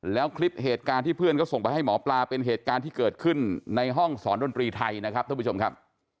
แล้วคลิปเหตุการณ์ที่เพื่อนก็ส่งไปให้หมอปลาเป็นเหตุการณ์ที่เกิดขึ้นในห้องสอนดนตรีไทยนะครับท่านผู้ชมครับ